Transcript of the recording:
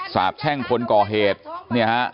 สาบแช่งคนก่อเหตุเนี่ยฮะ